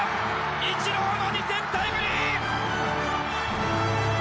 イチローの２点タイムリー！